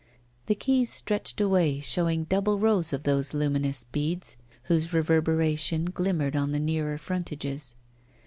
The quays stretched away showing double rows of those luminous beads whose reverberation glimmered on the nearer frontages.